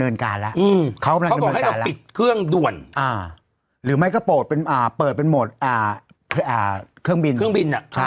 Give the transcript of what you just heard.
เวลาเราเป็นเครื่องบินแล้วต้องปิดหมดก็ตัดสัญญาณไปเลย